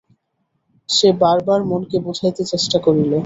সে বার বার মনকে বুঝাইতে চেষ্টা করিল।